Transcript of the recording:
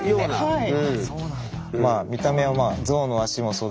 はい。